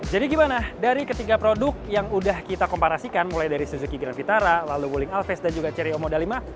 jadi bagaimana dari ketiga produk yang sudah kita komparasikan mulai dari suzuki grand vitara lalu wuling alphast dan juga cerio moda lima